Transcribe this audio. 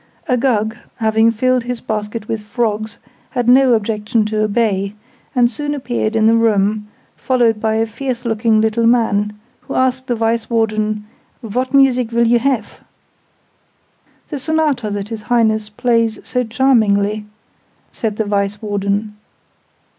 Uggug, having filled his basket with frogs, had no objection to obey, and soon appeared in the room, followed by a fierce looking little man, who asked the Vice Warden "Vot music vill you haf?" "The Sonata that His Highness plays so charmingly," said the Vice Warden.